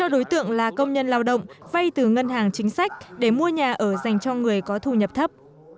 ba đối tượng là công nhân lao động vay từ ngân hàng chính sách để mua nhà ở dành cho người có thu nhập thấp